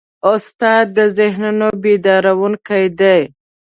استاد د ذهنونو بیدارونکی دی.